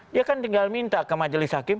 dia kan tinggal minta ke majelis anggota dpr